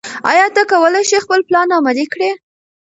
ایا ته کولی شې خپل پلان عملي کړې؟